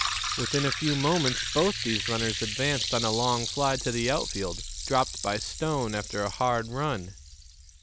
Within a few moments both these runners advanced on a long fly to the outfield, dropped by Stone after a hard run.